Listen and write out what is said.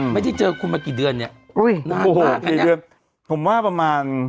ไม่ได้เจอคุณมากี่เดือนเนี่ยอุ้ยนานโอ้โหกี่เดือนผมว่าประมาณ